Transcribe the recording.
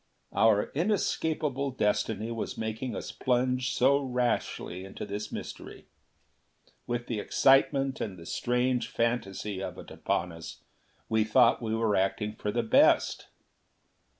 Our inescapable destiny was making us plunge so rashly into this mystery! With the excitement and the strange fantasy of it upon us, we thought we were acting for the best.